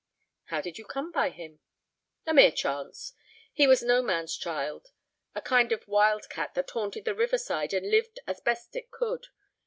"How did you come by him?" "A mere chance. He was no man's child—a kind of wild cat that haunted the river side and lived as best it could.